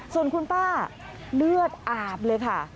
ส่วนคุณป้าเลือดอาบเลยค่ะ